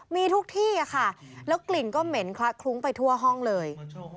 มีทุกที่ค่ะแล้วกลิ่นก็เหม็นคละคลุ้งไปทั่วห้องเลย